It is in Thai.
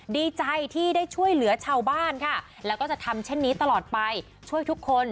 ดีใจที่ได้ช่วยเหลือชาวบ้านค่ะแล้วก็จะทำเช่นนี้ตลอดไปช่วยทุกคน